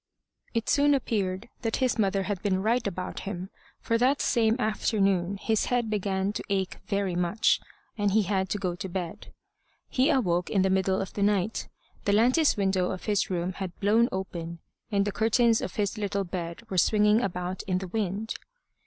It soon appeared that his mother had been right about him, for that same afternoon his head began to ache very much, and he had to go to bed. He awoke in the middle of the night. The lattice window of his room had blown open, and the curtains of his little bed were swinging about in the wind.